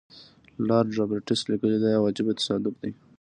لارډ رابرټس لیکي دا یو عجیب تصادف دی.